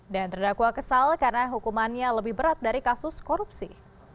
dan terdakwa kesal karena hukumannya lebih berat dari kasus korupsi